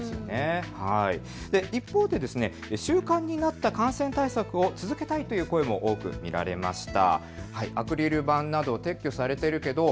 一方で習慣になった感染対策を続けたいという声も多く見られました。